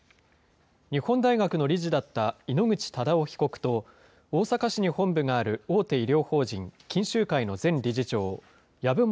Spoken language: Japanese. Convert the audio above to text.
日本大学の理事だった井ノ口忠男被告と、大阪市に本部がある大手医療法人錦秀会の前理事長、籔本